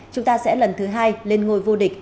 chúng ta sẽ lần thứ hai lên ngôi vô địch